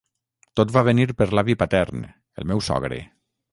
Tot va venir per l'avi patern, el meu sogre.